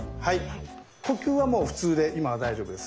呼吸はもう普通で今は大丈夫です。